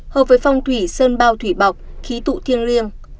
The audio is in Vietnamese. hợp với phong thủy sơn bao thủy bọc khí tụ thiên riêng